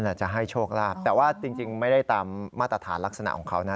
จะให้โชคลาภแต่ว่าจริงไม่ได้ตามมาตรฐานลักษณะของเขานะ